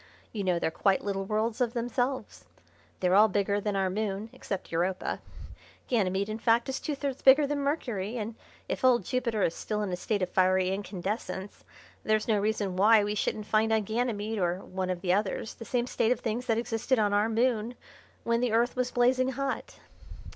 You know they're quite little worlds of themselves. They're all bigger than our moon, except Europa. Ganymede, in fact, is two thirds bigger than Mercury, and if old Jupiter is still in a state of fiery incandescence there's no reason why we shouldn't find on Ganymede or one of the others the same state of things that existed on our moon when the Earth was blazing hot."